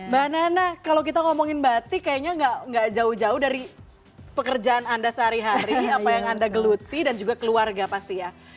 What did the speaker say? mbak nana kalau kita ngomongin batik kayaknya nggak jauh jauh dari pekerjaan anda sehari hari apa yang anda geluti dan juga keluarga pasti ya